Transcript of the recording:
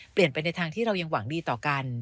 เปลี่ยนไปในทางที่เรายังหวังดีต่อกัน